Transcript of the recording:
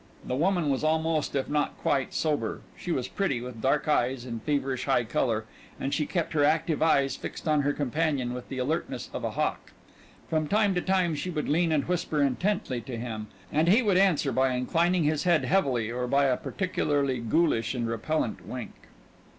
The woman was almost if not quite sober. She was pretty, with dark eyes and feverish high color, and she kept her active eyes fixed on her companion with the alertness of a hawk. From time to time she would lean and whisper intently to him, and he would answer by inclining his head heavily or by a particularly ghoulish and repellent wink.